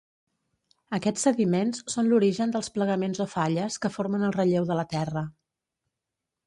Aquests sediments són l'origen dels plegaments o falles, que formen el relleu de la Terra.